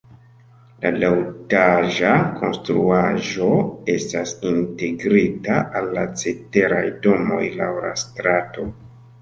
La duetaĝa konstruaĵo estas integrita al la ceteraj domoj laŭ la strato.